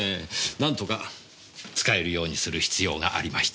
なんとか使えるようにする必要がありました。